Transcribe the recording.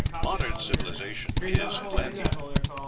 Modern civilization is Atlantean.